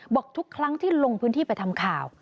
บอกทุกครั้งที่ลงพื้นที่ไปทำข่าว